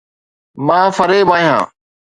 مان فريب آهيان